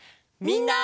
みんな！